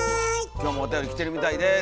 今日もおたより来てるみたいです。